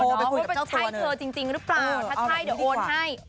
ว่ามันใช่เธอจริงหรือเปล่าถ้าใช่เดี๋ยวโอนให้